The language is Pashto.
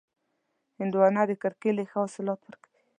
هندوانه د کرکېلې ښه حاصلات ورکوي.